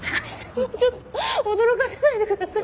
もうちょっと驚かさないでくださいよ。